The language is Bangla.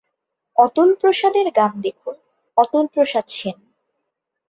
অতুলপ্রসাদের গান দেখুন অতুলপ্রসাদ সেন।